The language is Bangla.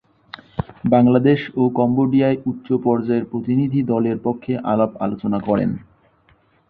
বাংলাদেশ ও কম্বোডিয়ায় উচ্চ পর্যায়ের প্রতিনিধি দলের পক্ষে আলাপ-আলোচনা করেন।